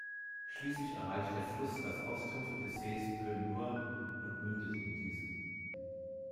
Schließlich erreicht der Fluss das Ostufer des Sees Buir Nur und mündet in diesen.